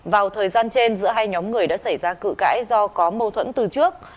vào thời gian trên giữa hai nhóm người đã xảy ra cự cãi do có mâu thuẫn từ trước